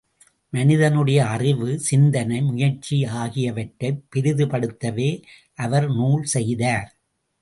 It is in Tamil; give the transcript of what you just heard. மனிதனுடைய அறிவு சிந்தனை முயற்சி ஆகியவற்றைப் பெரிதுபடுத்தவே அவர் நூல் செய்தார்.